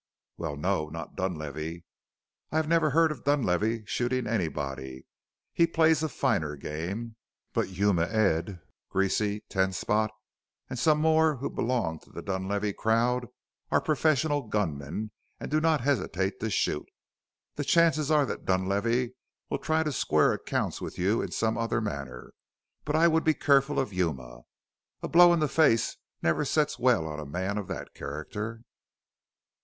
"Well, no, not Dunlavey. I have never heard of Dunlavey shooting anybody; he plays a finer game. But Yuma Ed, Greasy, Ten Spot, and some more who belong to the Dunlavey crowd are professional gun men and do not hesitate to shoot. The chances are that Dunlavey will try to square accounts with you in some other manner, but I would be careful of Yuma a blow in the face never sets well on a man of that character."